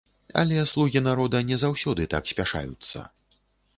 Але слугі народа не заўсёды так спяшаюцца.